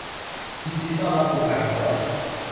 ยินดีต้อนรับสู่งานของเรา